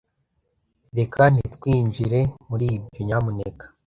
reka ntitwinjire muri ibyo, nyamuneka